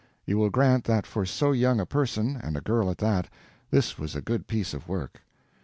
You will grant that for so young a person, and a girl at that, this was a good piece of work.